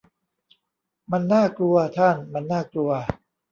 มันน่ากลัวท่าน มันน่ากลัว